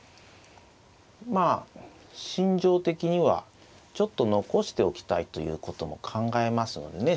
まあ心情的にはちょっと残しておきたいということも考えますのでね。